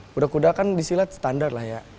kuda kuda kan di silat standar lah ya